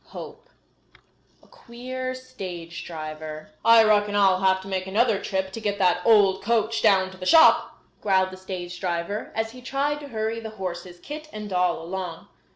CHAPTER V A QUEER STAGE DRIVER "I reckon I'll have to make another trip to get that old coach down to the shop," growled the stage driver, as he tried to hurry the horses, Kit and Doll, along.